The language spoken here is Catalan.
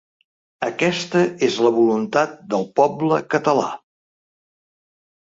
Aquesta és la voluntat del poble català.